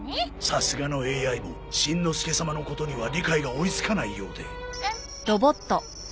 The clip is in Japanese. さすがのＡＩもしんのすけ様のことには理解が追いつかないようで。